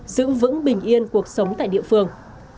giữ vững bình yên cuộc sống tại địa phương